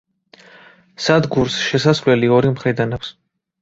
სადგურს შესასვლელი ორი მხრიდან აქვს.